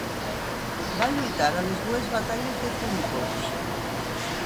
Va lluitar a les dues batalles de Filipos.